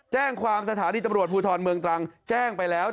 แจ้งความสถานีตำรวจภูทรเมืองตรังแจ้งไปแล้ว